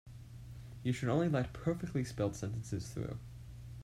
You should only let perfectly spelled sentences through.